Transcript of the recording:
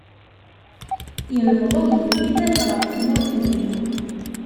Yenbeḍ ugellid ɣef tmurt-nni.